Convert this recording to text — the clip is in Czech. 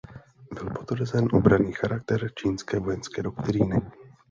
Byl potvrzen obranný charakter čínské vojenské doktríny.